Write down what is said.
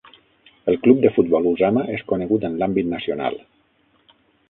El Club de Futbol Usama és conegut en l'àmbit nacional.